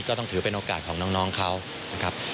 ต้องถือเป็นโอกาสของน้องเขานะครับ